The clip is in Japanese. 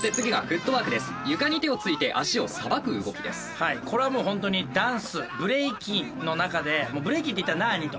はいこれはもう本当にダンスブレイキンの中で「ブレイキンっていったらなあに？」と。